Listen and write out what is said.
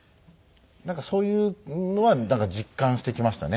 なんかそういうのは実感してきましたね。